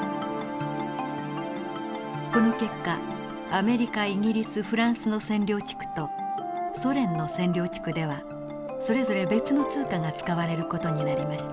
この結果アメリカイギリスフランスの占領地区とソ連の占領地区ではそれぞれ別の通貨が使われる事になりました。